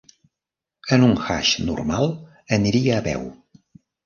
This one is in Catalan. En un Hajj normal, aniria a peu.